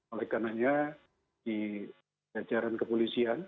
oleh karenanya di jajaran kepolisian